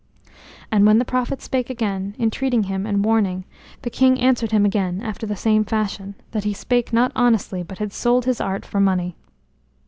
And when the prophet spake again, entreating him and warning, the king answered him after the same fashion, that he spake not honestly, but had sold his art for money.